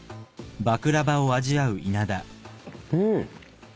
うん。